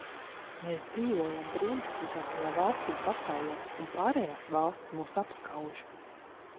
Mēs dzīvojam brīnišķīgākajā valstī pasaulē, un pārējās valstis mūs apskauž.